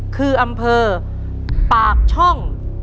คืออำเภอปากช่อง